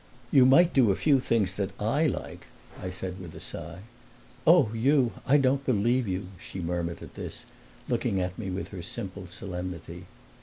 "You might do a few things that I like," I said with a sigh. "Oh, you I don't believe you!" she murmured at this, looking at me with her simple solemnity.